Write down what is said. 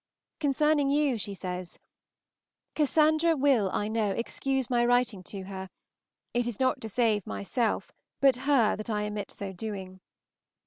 Concerning you, she says: "Cassandra will, I know, excuse my writing to her; it is not to save myself but her that I omit so doing.